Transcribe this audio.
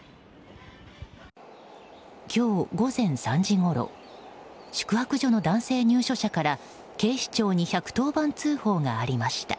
今日午前３時ごろ宿泊所の男性入所者から警視庁に１１０番通報がありました。